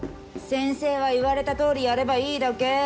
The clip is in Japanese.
先生は言われたとおりやればいいだけ。